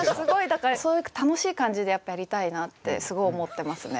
そういう楽しい感じでやっぱやりたいなってすごい思ってますね。